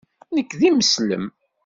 Nekk d imeslem.